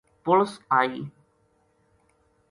پُلس آئی